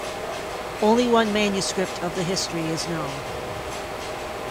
Only one manuscript of the history is known.